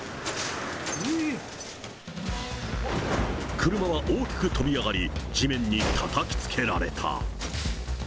車は大きく飛び上がり、地面にたたきつけられた。